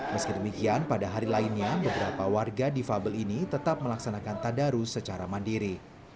meski demikian pada hari lainnya beberapa warga di fabel ini tetap melaksanakan tadarus secara mandiri